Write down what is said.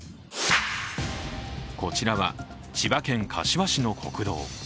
こちらは、千葉県柏市の国道。